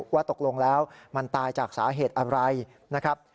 ว่าตกลงแล้วมันตายจากสาเหตุอะไรนะครับ